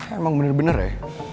emang bener bener ya